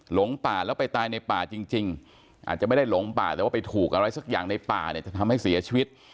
หลงป่าแล้วไปตายในป่าจริงอาจจะไม่ได้หลงป่าแต่ว่าไปถูกอะไรสักอย่างในป่าเนี่ยจะทำให้เสียชีวิต